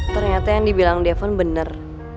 ternyata yang dibilang devon bener